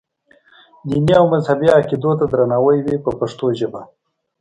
دیني او مذهبي عقیدو ته درناوی وي په پښتو ژبه.